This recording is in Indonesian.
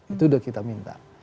itu udah kita minta